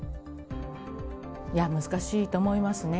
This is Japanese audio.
いや、難しいと思いますね。